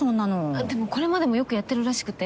あっでもこれまでもよくやってるらしくて。